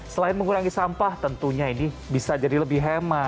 selain mengurangi sampah tentunya ini bisa jadi lebih hemat